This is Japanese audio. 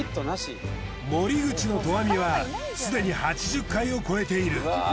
森口の投網はすでに８０回を超えている。